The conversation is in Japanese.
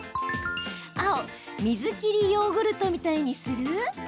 青・水切りヨーグルトみたいにする？